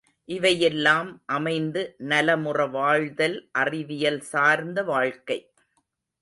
இவையெல்லாம் அமைந்து நலமுற வாழ்தல் அறிவியல் சார்ந்த வாழ்க்கை.